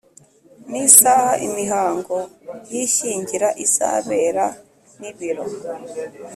N isaha imihango y ishyingira izabera n ibiro